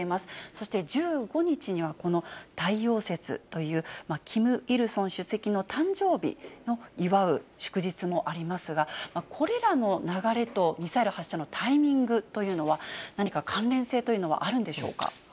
そして１５日にはこの太陽節という、キム・イルソン主席の誕生日を祝う祝日もありますが、これらの流れとミサイル発射のタイミングというのは、何か関連性というのはあるんでしょうか。